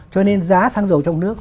cho nên giá xăng dầu trong nước